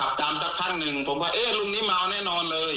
ผมก็ว่าเอ๊ะลุงนี้มาว่าแน่นอนเลย